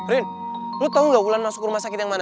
rin lo tau nggak wulan masuk rumah sakit yang mana